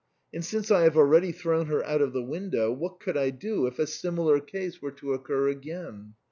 And since I have already thrown her out of the window, what could I do if a similar case were to occur again